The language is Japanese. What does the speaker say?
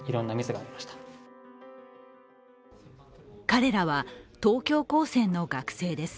彼らは、東京高専の学生です。